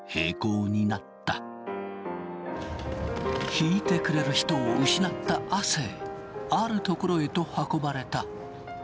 弾いてくれる人を失った亜生ある所へと運ばれた。